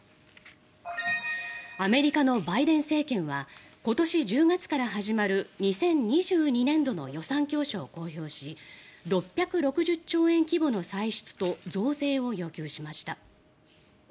アメリカのバイデン政権は今年１０月から始まる２０２２年度の予算教書を公表し６６０兆円規模の歳出と増税を要求しました。